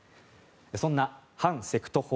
そんな反セクト法